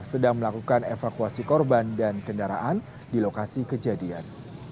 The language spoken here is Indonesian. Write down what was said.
sedang melakukan evakuasi korban dan kendaraan di lokasi kejadian